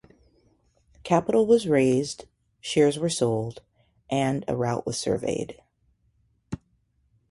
Capital was raised, shares were sold, and a route was surveyed.